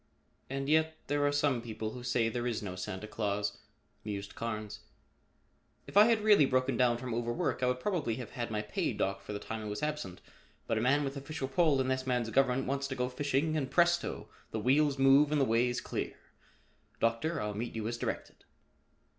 "And yet there are some people who say there is no Santa Claus," mused Carnes. "If I had really broken down from overwork, I would probably have had my pay docked for the time I was absent, but a man with official pull in this man's government wants to go fishing and presto! the wheels move and the way is clear. Doctor, I'll meet you as directed."